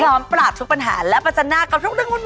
พร้อมปรากฤษปัญหาและปัจจนาคกับทุกเรื่องหุ่น